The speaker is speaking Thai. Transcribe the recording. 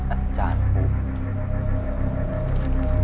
อาจารย์ปู